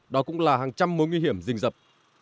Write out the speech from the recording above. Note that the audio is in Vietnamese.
đó cũng là hàng trăm mối nguy hiểm rình rập